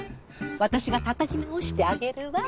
私がたたき直してあげるわ。